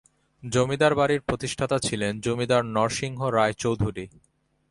জমিদার বাড়ির প্রতিষ্ঠাতা ছিলেন জমিদার নরসিংহ রায় চৌধুরী।